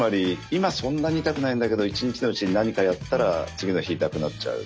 今そんなに痛くないんだけど一日のうちに何かやったら次の日痛くなっちゃう。